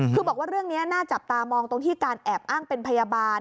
คือบอกว่าเรื่องนี้น่าจับตามองตรงที่การแอบอ้างเป็นพยาบาล